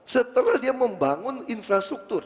setelah dia membangun infrastruktur